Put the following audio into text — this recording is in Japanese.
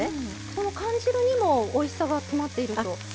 その缶汁にもおいしさが詰まっていると？